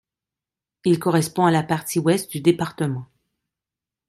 Il correspond à la partie ouest du département.